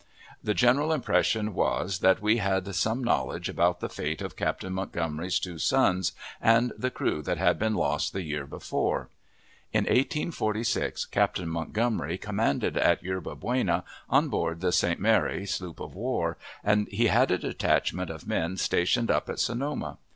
The general impression was, that we had some knowledge about the fate of Captain Montgomery's two sons and the crew that had been lost the year before. In 1846 Captain Montgomery commanded at Yerba Buena, on board the St. Mary sloop of war, and he had a detachment of men stationed up at Sonoma.